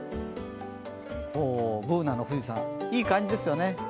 おお、Ｂｏｏｎａの富士山、いい感じですよね。